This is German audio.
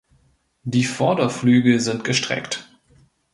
Die Vorderflügel sind gestreckt.